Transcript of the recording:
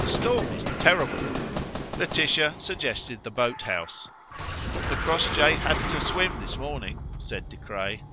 The storm is terrible." Laetitia suggested the boathouse. "For Crossjay hadn't a swim this morning!" said De Craye.